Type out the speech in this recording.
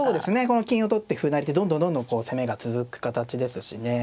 この金を取って歩成りでどんどんどんどんこう攻めが続く形ですしね。